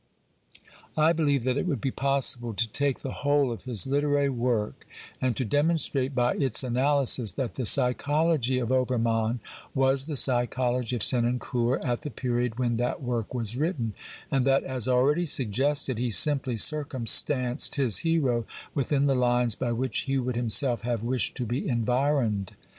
I believe that it would be possible to take the whole of his xl BIOGRAPHICAL AND literary work and to demonstrate by its analysis that the psychology of Obermann was the psychology of Senan cour at the period when that work was written, and that, as already suggested, he simply circumstanced his hero within the lines by which he would himself have wished to be environed.